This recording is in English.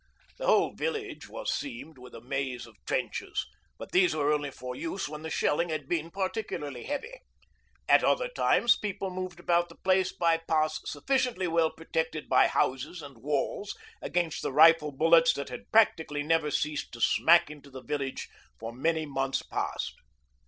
The whole village was seamed with a maze of trenches, but these were only for use when the shelling had been particularly heavy. At other times people moved about the place by paths sufficiently well protected by houses and walls against the rifle bullets that had practically never ceased to smack into the village for many months past.